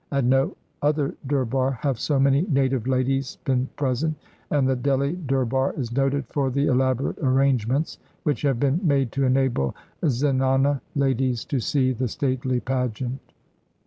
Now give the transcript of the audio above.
At no other Durbar have so many native ladies been present, and the Dellii Durbar is noted for the elaborate arrange ments which have been made to enable zenana ladies to see the stately pageant.